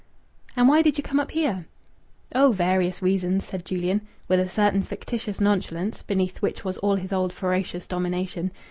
"And why did you come up here?" "Oh, various reasons!" said Julian, with a certain fictitious nonchalance, beneath which was all his old ferocious domination.